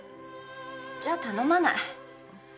じゃ頼まない。